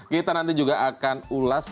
kita nanti juga akan ulas